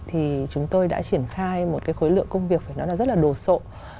thì chúng tôi đã triển khai một cái khối lượng công việc phải nói là rất là đồ sộ